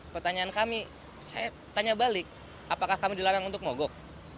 pertanyaan kami saya tanya balik apakah kami dilarang untuk mogok